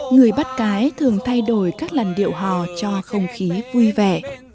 người bắt cái thường thay đổi các làn điệu hò cho không khí vui vẻ